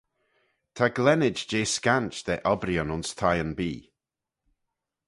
Ta glennid jeh scansh da obbreeyn ayns thieyn-bee.